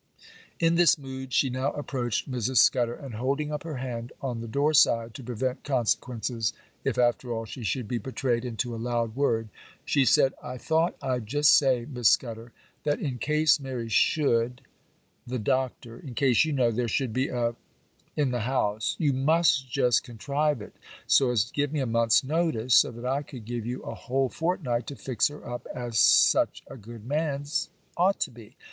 In this mood she now approached Mrs. Scudder, and, holding up her hand on the door side, to prevent consequences, if, after all, she should be betrayed into a loud word, she said, 'I thought I'd just say, Miss Scudder, that, in case Mary should —— the Doctor,—in case, you know, there should be a —— in the house, you must just contrive it so as to give me a month's notice, so that I could give you a whole fortnight to fix her up as such a good man's —— ought to be.